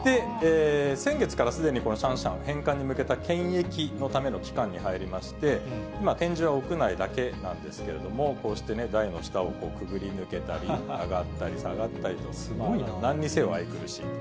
先月からすでにこのシャンシャン、返還に向けた検疫のための期間に入りまして、今、展示は屋内だけなんですけれども、こうして台の下をくぐり抜けたり、上がったり下がったりと、なんにせよ愛くるしい。